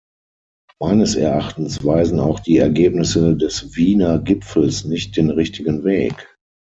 Meines Erachtens weisen auch die Ergebnisse des Wiener Gipfels nicht den richtigen Weg.